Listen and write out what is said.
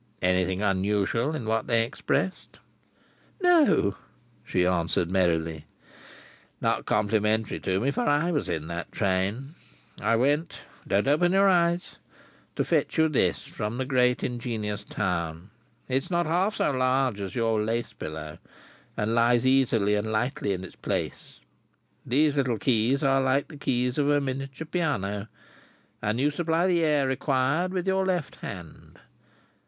"Anything unusual in what they expressed?" "No!" she answered merrily. "Not complimentary to me, for I was in that train. I went—don't open your eyes—to fetch you this, from the great ingenious town. It is not half so large as your lace pillow, and lies easily and lightly in its place. These little keys are like the keys of a miniature piano, and you supply the air required with your left hand.